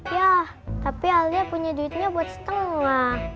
ya tapi alia punya duitnya buat setengah